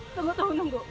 tunggu tunggu tunggu